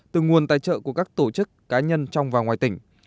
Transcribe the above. từ nguồn tài trợ của các tổ chức cá nhân trong và ngoài tỉnh